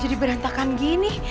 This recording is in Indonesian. jadi berantakan gini